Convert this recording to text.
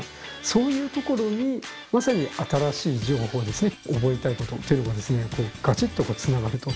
そういう所にまさに新しい情報ですね覚えたいことというのがガチッとつながると。